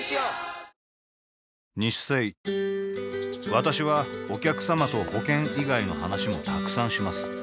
私はお客様と保険以外の話もたくさんします